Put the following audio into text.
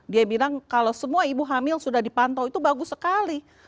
dia bilang kalau semua ibu hamil sudah dipantau itu bagus sekali